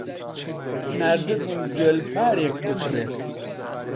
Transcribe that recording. ناردبووم گوێلپارێک بگرێت.